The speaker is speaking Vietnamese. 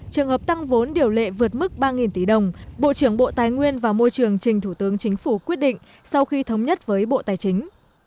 trường hợp tăng vốn điều lệ vượt mức ba tỷ đồng bộ trưởng bộ tài nguyên và môi trường trình thủ tướng chính phủ quyết định sau khi thống nhất với bộ tài chính